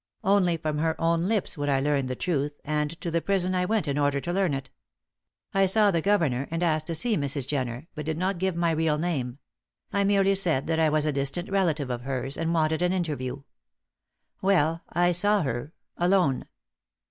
Only from her own lips would I learn the truth, and to the prison I went in order to learn it. I saw the governor, and asked to see Mrs. Jenner, but did not give my real name; I merely said that I was a distant relative of hers, and wanted an interview. Well, I saw her alone."